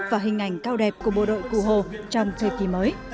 và hình ảnh cao đẹp của bộ đội cụ hồ trong thời kỳ mới